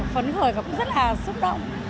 phấn khởi và cũng rất là xúc động